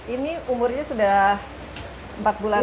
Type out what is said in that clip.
ini umurnya sudah empat bulan